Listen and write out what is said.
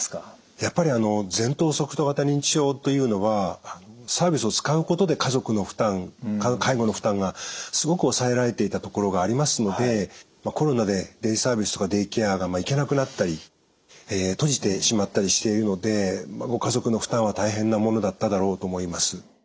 やっぱり前頭側頭型認知症というのはサービスを使うことで家族の負担介護の負担がすごく抑えられていたところがありますのでコロナでデイサービスとかデイケアが行けなくなったり閉じてしまったりしているのでご家族の負担は大変なものだっただろうと思います。